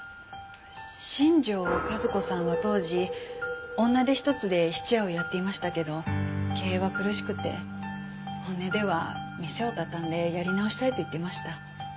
新庄和子さんは当時女手一つで質屋をやっていましたけど経営は苦しくて本音では店を畳んでやり直したいと言っていました。